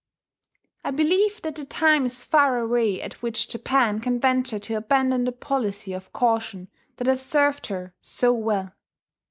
I believe that the time is far away at which Japan can venture to abandon the policy of caution that has served her so well.